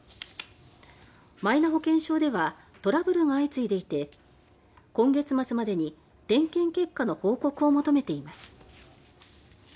マイナ保険証ではトラブルが相次いでいて今月末までに点検結果の報告を求めています。